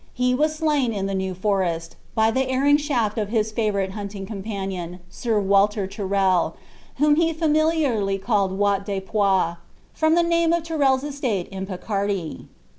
He was slain in the New Forest, by the erring shafl of his favourite hunting companion, Sir Walter Tyrrel, whom he familiarly called Wat de Poix, from the name of Tyrrel's estate in Picardy.